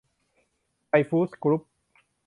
ไทยฟู้ดส์ กรุ๊ป